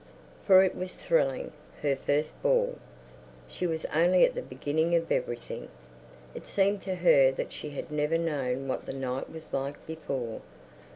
For it was thrilling. Her first ball! She was only at the beginning of everything. It seemed to her that she had never known what the night was like before.